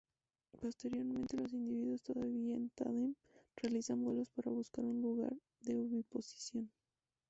Posteriormente, los individuos todavía en tándem, realizan vuelos para buscar un lugar de oviposición.